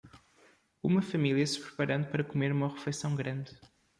Uma família se preparando para comer uma refeição grande.